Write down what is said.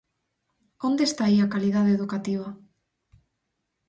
Onde está aí a calidade educativa?